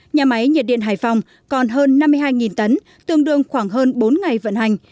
nhà máy nhiệt điện hải phòng còn hơn năm mươi hai tấn tương đương khoảng hơn bốn ngày vận hành